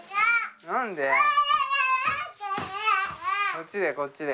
こっちでこっちで。